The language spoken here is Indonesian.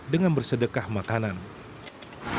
dengan bersedekah makanannya